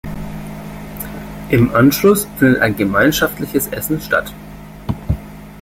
Im Anschluss findet ein gemeinschaftliches Essen statt.